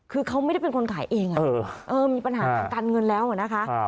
คือเขาไม่ได้เป็นคนขายเองมีปัญหาทางการเงินแล้วนะคะ